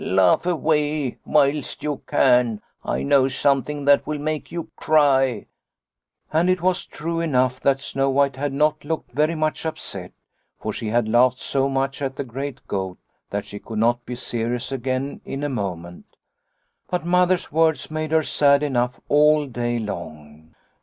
Laugh away whilst you can. I know something that will make you cry/ " And it was true enough that Snow White had not looked very much upset, for she had laughed so much at the great goat that she could not be serious again in a moment. But Mother's words made her sad enough all day long.